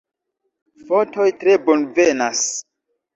Fotoj tre bonvenas.